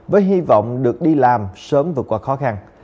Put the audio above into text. với hy vọng được đi làm sớm vượt qua khó khăn